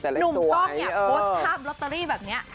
หนุ่มกล้องเนี่ยโพสต์ภาพลอตเตอรี่แบบนี้